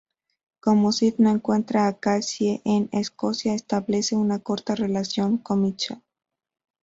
Como Sid no encuentra a Cassie en Escocia, establece una corta relación con Michelle.